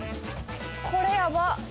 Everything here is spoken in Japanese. これやばっ！